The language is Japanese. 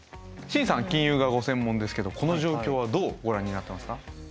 慎さんは金融がご専門ですけどこの状況はどうご覧になってますか？